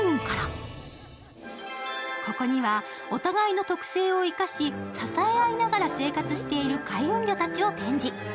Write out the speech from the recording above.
ここにはお互いの特性を生かし、支え合いながら生活している開運魚たちを展示。